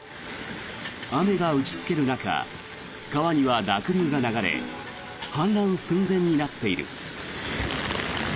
雨が打ちつける中川には濁流が流れ氾濫寸前になっている。